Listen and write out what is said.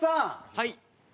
はい。